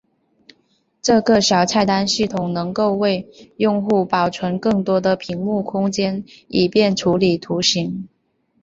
这个小菜单系统能够为用户保存更多的屏幕空间以便处理图形。